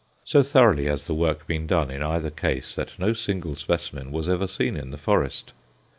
So thoroughly has the work been done in either case that no single specimen was ever seen in the forest.